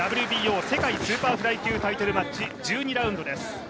ＷＢＯ世界スーパーフライ級タイトルマッチ１２ラウンドです。